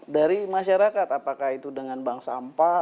dari masyarakat apakah itu dengan bank sampah